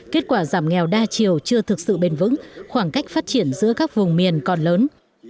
kết quả giảm nghèo đa chiều chưa thực sự bền vững khoảng cách phát triển giữa các vùng miền còn lớn